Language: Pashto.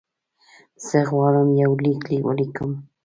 زه غواړم یو لیک ولیکم.